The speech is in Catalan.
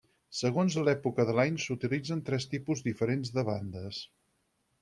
Segons l'època de l'any s'utilitzen tres tipus diferents de bandes.